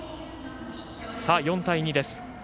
４対２です。